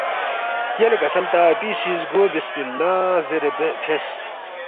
یلے کسل تا اپی سی زگو بسم اللّٰہ زیرے فیس